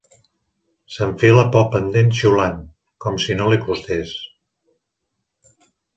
S'enfila pel pendent xiulant, com si no li costés.